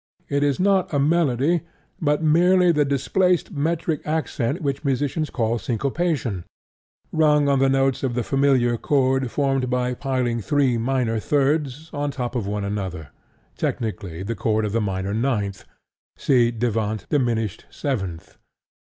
It is not a melody, but merely the displaced metric accent which musicians call syncopation, rung on the notes of the familiar chord formed by piling three minor thirds on top of one another (technically, the chord of the minor ninth, ci devant diminished seventh).